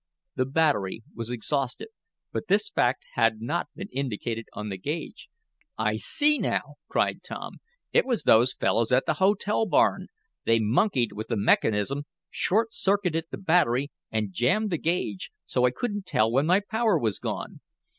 The battery was exhausted, but this fact had not been indicated on the gauge. "I see now!" cried Tom. "It was those fellows at the hotel barn! They monkeyed with the mechanism, short circuited the battery, and jammed the gauge so I couldn't tell when my power was gone.